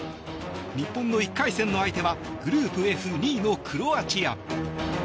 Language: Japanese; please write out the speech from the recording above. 日本の１回戦の相手はグループＦ、２位のクロアチア。